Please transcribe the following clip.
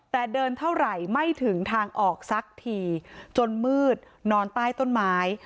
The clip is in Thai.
แต่เดินเท่าไหร่ไม่ถึงทางออกสักทีจนมืดนอนใต้ต้นไม้